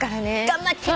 頑張って。